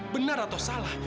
benar atau salah